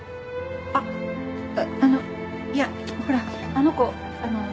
あっあのいやほらあの子あの。